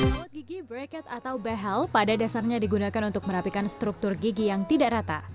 pesawat gigi bracket atau behal pada dasarnya digunakan untuk merapikan struktur gigi yang tidak rata